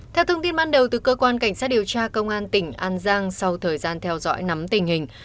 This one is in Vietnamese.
theo thông tin ban đầu từ cơ quan cảnh sát điều tra công an tỉnh an giang sau thời gian theo dõi nắm tình hình